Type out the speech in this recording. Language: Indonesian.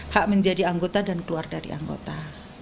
hak menjadi anggota dan keluar dari anggota